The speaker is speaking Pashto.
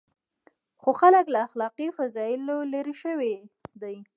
خو خلک له اخلاقي فضایلو لرې شوي دي.